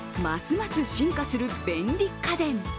ますます進化する便利家電。